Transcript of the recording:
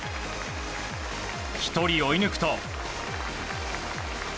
１人追い抜くと。